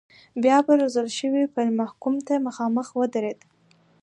بیا به روزل شوی پیل محکوم ته مخامخ ودرېد.